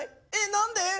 何で。